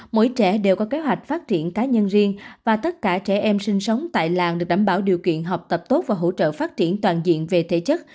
mỗi trẻ đều có kế hoạch phát triển cá nhân riêng và tất cả trẻ em sinh sống tại làng được đảm bảo điều kiện học tập tốt và hỗ trợ phát triển toàn diện về thể chất